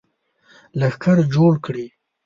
لښکر جوړ کړي.